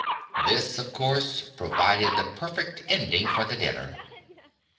This, of course, provided the perfect ending for the dinner.